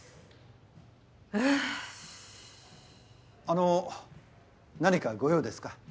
あのう何かご用ですか？